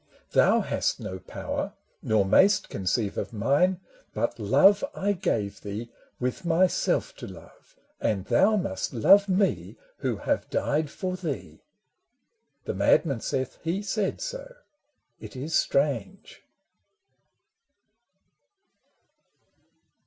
" Thou hast no power nor mayst conceive of mine, " But love I gave thee, with myself to love " And thou must love me who have died for thee !" The madman saith He said so : it is strange.